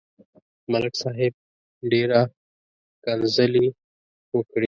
ملک صاحب ډېره کنځلې وکړې.